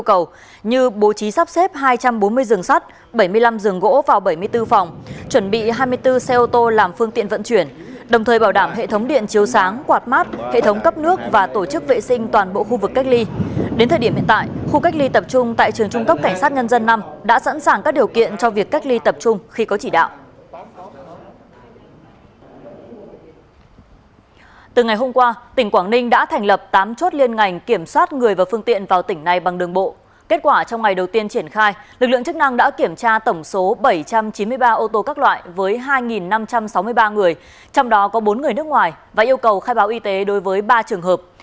chức năng đã kiểm tra tổng số bảy trăm chín mươi ba ô tô các loại với hai năm trăm sáu mươi ba người trong đó có bốn người nước ngoài và yêu cầu khai báo y tế đối với ba trường hợp